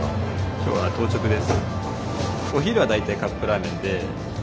今日は当直です。